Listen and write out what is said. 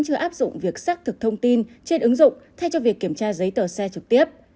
chưa áp dụng việc xác thực thông tin trên ứng dụng thay cho việc kiểm tra giấy tờ xe trực tiếp